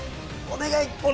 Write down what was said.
お願い！